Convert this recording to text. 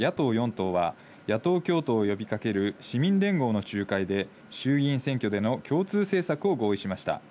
党は、野党共闘を呼びかける市民連合の仲介で衆議院選挙での共通政策を合意しました。